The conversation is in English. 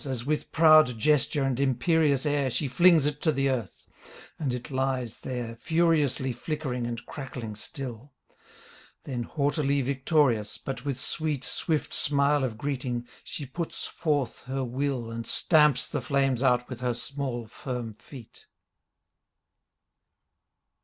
As with proud gesture and imperious air She flings it to the earth ; and it lies there Furiously flickering and crackling still — Then haughtily victorious, but with sweet Swift smile of greeting, she puts forth her will And stamps the flames out with her small firm feet.